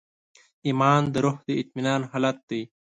ایمان د روح د اطمینان حالت دی.